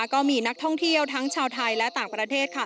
ก็มีนักท่องเที่ยวทั้งชาวไทยและต่างประเทศค่ะ